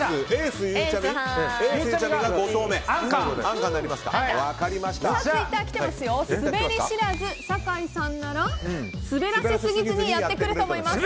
スベり知らず酒井さんならすべらせ過ぎずにやってくれると思います！